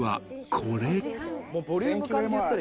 これ。